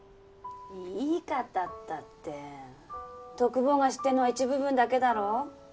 いい方ったって篤坊が知ってんのは一部分だけだろ？